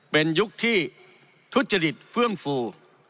เป็นยุคที่ทุจริตเฟื่องฟู